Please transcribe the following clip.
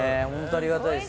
ありがたいです。